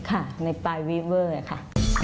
ค่ะในปลายวีฟเวอร์ค่ะ